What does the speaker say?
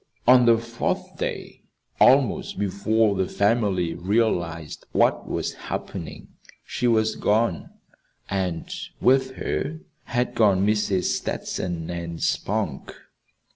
On the fourth day, almost before the family realized what was happening, she was gone; and with her had gone Mrs. Stetson and Spunk.